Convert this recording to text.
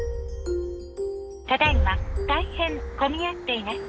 ただいま大変混み合っています。